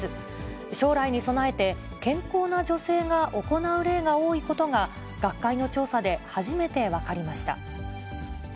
将来に備えて、健康な女性が行う例が多いことが、学会の調査で初めて分かりました。